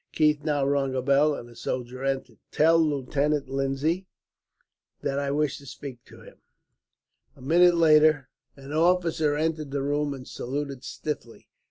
Keith now rung a bell, and a soldier entered. "Tell Lieutenant Lindsay that I wish to speak to him." A minute later an officer entered the room, and saluted stiffly.